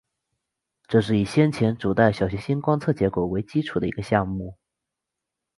这是以先前主带小行星观测结果为基础的一个项目。